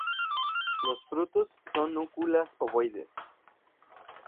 Los frutos son núculas ovoides.